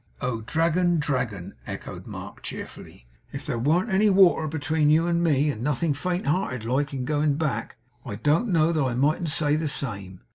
'Oh, Dragon, Dragon!' echoed Mark, cheerfully, 'if there warn't any water between you and me, and nothing faint hearted like in going back, I don't know that I mightn't say the same.